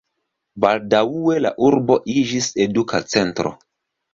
Baldaŭe la urbo iĝis eduka centro.